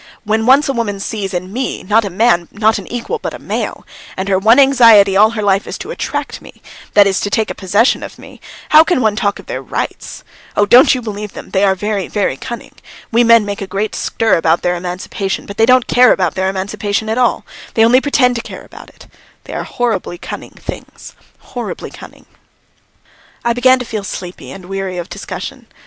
"When once a woman sees in me, not a man, not an equal, but a male, and her one anxiety all her life is to attract me that is, to take possession of me how can one talk of their rights? Oh, don't you believe them; they are very, very cunning! We men make a great stir about their emancipation, but they don't care about their emancipation at all, they only pretend to care about it; they are horribly cunning things, horribly cunning!" I began to feel sleepy and weary of discussion.